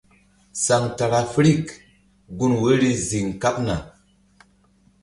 Centrafirikgun woyri ziŋ kaɓna.